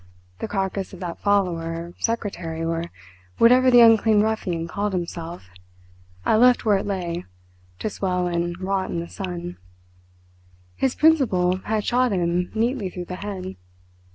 The carcass of that follower, secretary, or whatever the unclean ruffian called himself, I left where it lay, to swell and rot in the sun. His principal had shot him neatly through the head.